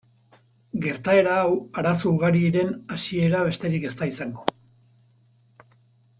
Gertaera hau arazo ugarien hasiera besterik ez da izango.